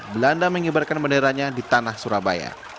belanda mengibarkan benderanya di tanah surabaya